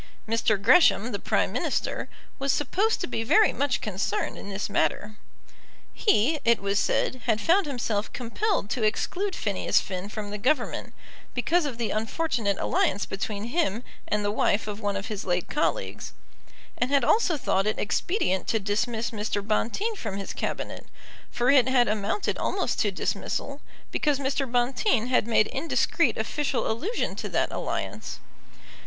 Mr. Gresham, the Prime Minister, was supposed to be very much concerned in this matter. He, it was said, had found himself compelled to exclude Phineas Finn from the Government, because of the unfortunate alliance between him and the wife of one of his late colleagues, and had also thought it expedient to dismiss Mr. Bonteen from his Cabinet, for it had amounted almost to dismissal, because Mr. Bonteen had made indiscreet official allusion to that alliance.